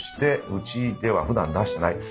うちでは普段出してないです。